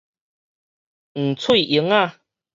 黃喙鶯仔